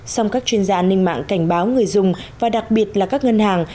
song các chuyên gia an ninh mạng cảnh báo người dùng và đặc biệt là các ngân hàng